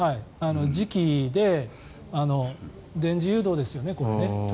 磁気で電磁誘導ですよね。